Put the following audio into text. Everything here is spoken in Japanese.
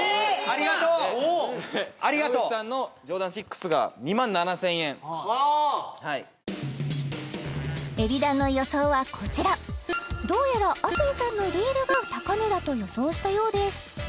ありがとうありがとう山口さんのジョーダン６が２万７０００円ＥＢｉＤＡＮの予想はこちらどうやら亜生さんのリールが高値だと予想したようです